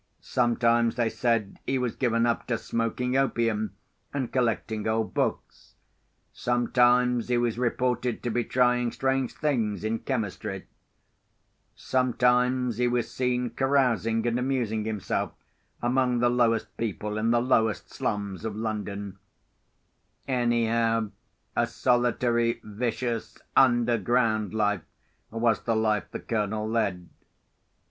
Sometimes they said he was given up to smoking opium and collecting old books; sometimes he was reported to be trying strange things in chemistry; sometimes he was seen carousing and amusing himself among the lowest people in the lowest slums of London. Anyhow, a solitary, vicious, underground life was the life the Colonel led.